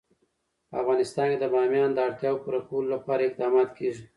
په افغانستان کې د بامیان د اړتیاوو پوره کولو لپاره اقدامات کېږي.